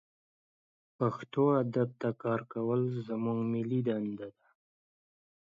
پښتو ادب ته کار کول زمونږ ملي دنده ده